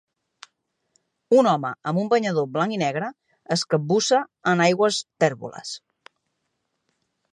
Un home amb un banyador blanc i negre es capbussa en aigües tèrboles.